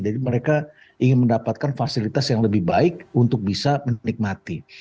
jadi mereka ingin mendapatkan fasilitas yang lebih baik untuk bisa menikmati